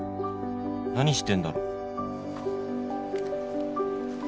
「何してんだろ」